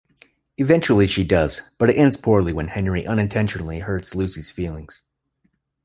Eventually she does, but it ends poorly when Henry unintentionally hurts Lucy's feelings.